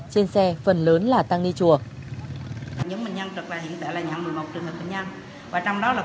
trên xe phần lớn là tăng đi chùa